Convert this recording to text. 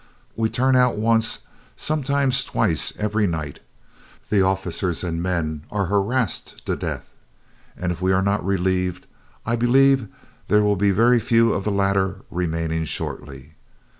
We turn out once, sometimes twice, every night. The officers and men are harassed to death, and if we are not relieved, I believe there will be very few of the latter remaining shortly.